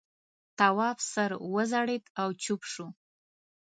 تواب سر وځړېد او چوپ شو.